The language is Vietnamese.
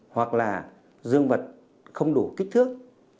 hoặc là dương vật không đủ kích thước